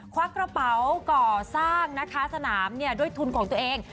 ควักกระเป๋าก่อสร้างนะคะสนามด้วยทุนของตัวเอง